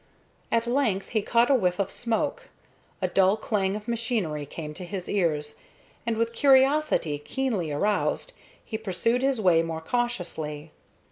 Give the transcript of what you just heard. At length he caught a whiff of smoke, a dull clang of machinery came to his ears; and, with curiosity keenly aroused, he pursued his way more cautiously.